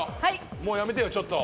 もうやめてよちょっと。